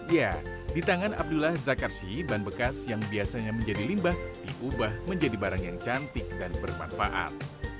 ya di tangan abdullah zakarsi ban bekas yang biasanya menjadi limbah diubah menjadi barang yang cantik dan bermanfaat